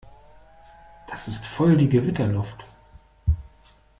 Das ist voll die Gewitterluft.